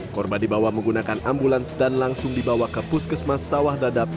korban dibawa menggunakan ambulans dan langsung dibawa ke puskesmas sawah dadap